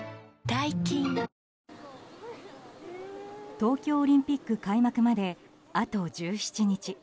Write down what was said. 東京オリンピック開幕まであと１７日。